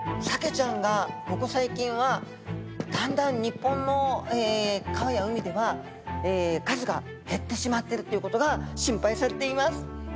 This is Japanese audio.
サケちゃんがここ最近はだんだん日本の川や海では数が減ってしまってるっていうことが心配されています。